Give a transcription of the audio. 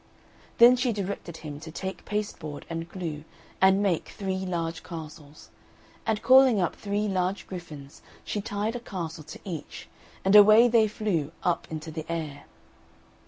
Then she directed him to take pasteboard and glue and make three large castles; and calling up three large griffins, she tied a castle to each, and away they flew up into the air.